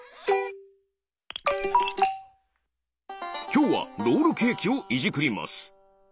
きょうはロールケーキをいじくります。